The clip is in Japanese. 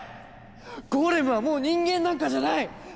ゴーレムはもう人間なんかじゃない！